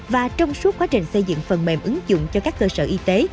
và trong suốt quá trình xây dựng phần mềm ứng dụng cho các cơ sở y tế